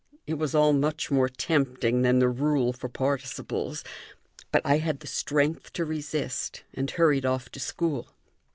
It was all much more tempting than the rule for participles, but I had the strength to resist, and hurried off to school.